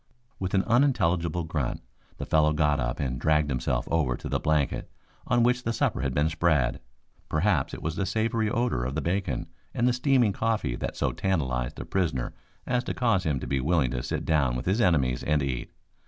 With an unintelligible grunt the fellow got up and dragged himself over to the blanket on which the supper had been spread. Perhaps it was the savory odor of the bacon and the steaming coffee that so tantalized the prisoner as to cause him to be willing to sit down with his enemies and eat.